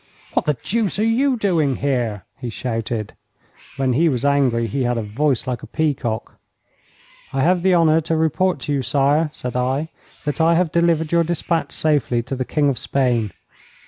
'What the deuce are you doing here?' he shouted. When he was angry he had a voice like a peacock. 'I have the honour to report to you, sire,' said I, 'that I have delivered your despatch safely to the King of Spain.'